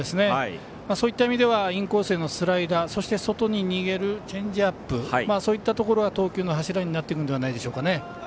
そういう意味ではインコースへのスライダーそして外に逃げるチェンジアップそういったところが投球の柱になってくるんじゃないでしょうか。